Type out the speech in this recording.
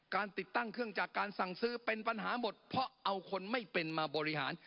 ติดตั้งเครื่องจากการสั่งซื้อเป็นปัญหาหมดเพราะเอาคนไม่เป็นมาบริหาร